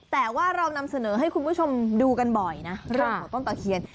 แต่ว่าเรานำเสนอให้คุณผู้ชมดูกันบ่อยนะเรื่องของต้นตะเคียน